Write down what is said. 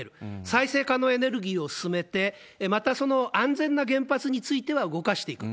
再生可能エネルギーを進めて、また安全な原発については動かしていく。